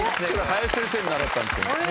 林先生に習ったんです。